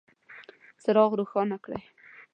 څراغ روښانه کړئ